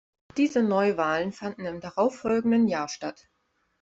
Diese Neuwahlen fanden im darauffolgenden Jahr statt.